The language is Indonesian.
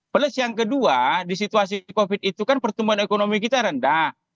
plus yang kedua di situasi covid itu kan pertumbuhan ekonomi kita rendah